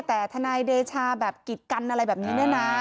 แต่ทนายเดชาแบบกิดกันอะไรแบบนี้เนี่ยนะ